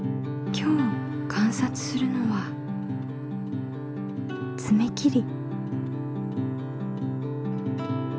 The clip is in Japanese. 今日観察するのはつめ切り。